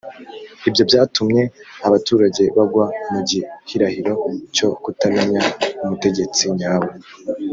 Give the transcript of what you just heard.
ibyo byatumye abaturage bagwa mu gihirahiro cyo kutamenya umutegetsi nyawe